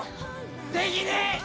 できねえ！